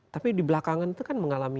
tapi di belakangan itu kan mengalami